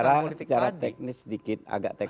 kita bicara secara teknis sedikit